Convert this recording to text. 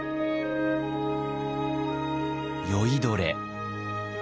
酔いどれ。